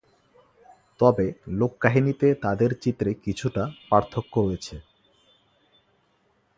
তবে লোককাহিনীতে তাদের চিত্রে কিছুটা পার্থক্য রয়েছে।